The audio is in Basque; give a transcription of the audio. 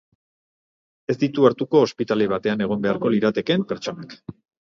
Ez ditu hartuko ospitale batean egon beharko liratekeen pertsonak.